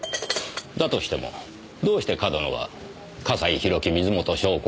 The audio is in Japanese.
だとしてもどうして上遠野は笠井宏樹水元湘子